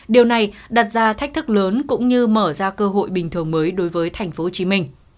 điều này đặt ra thách thức lớn cũng như mở ra cơ hội bình thường mới đối với tp hcm